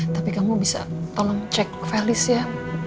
tapi kamu bisa tolong cek file list ya